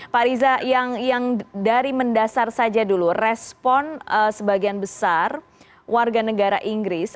pak riza yang dari mendasar saja dulu respon sebagian besar warga negara inggris